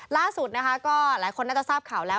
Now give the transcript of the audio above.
ล่าสุดนะคะก็หลายคนน่าจะทราบข่าวแล้ว